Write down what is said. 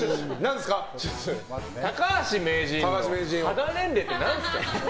高橋名人の肌年齢って何ですか。